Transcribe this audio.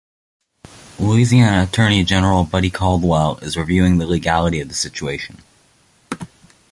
Louisiana Attorney General Buddy Caldwell is reviewing the legality of the situation.